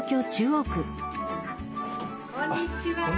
こんにちは。